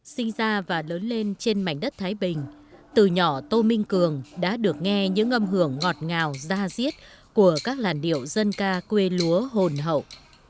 sinh ra và lớn lên trên mảnh đất thái bình từ nhỏ tô minh cường đã được nghe những âm hưởng ngọt ngào ra diết của các làn điệu dân ca quê lúa hồn hậu